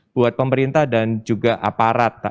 buat pemerintah dan juga aparat